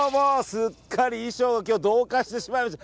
すっかり衣装が同化してしまいました。